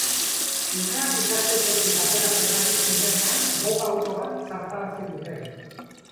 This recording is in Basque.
Umeak ikastetxetik ateratzen ari zirenean, bonba-auto bat zartarazi dute.